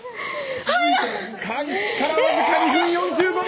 開始からわずか２分４５秒！